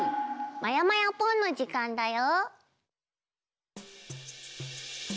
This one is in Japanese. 「まやまやぽん！」の時間だよ。